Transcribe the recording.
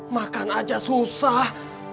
makan aja susah